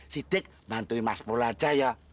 sidek bantuin mas polo aja ya